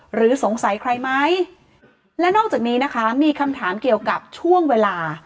หรือสงสัยใครไหมและนอกจากนี้นะคะมีคำถามเกี่ยวกับช่วงเวลา